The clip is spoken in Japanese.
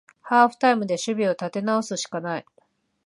ハーフタイムで守備を立て直すしかない